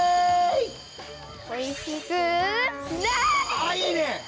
あいいね！